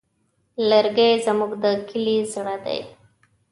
لرګی زموږ د کلي زړه دی.